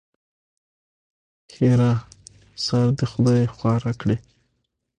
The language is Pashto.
ښېرا؛ سار دې خدای خواره کړي!